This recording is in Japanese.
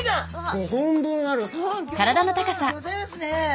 ５本分ギョざいますね！